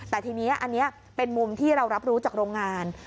แต่ทีนี้อันนี้เป็นมุมที่เรารับรู้จากโรงงาน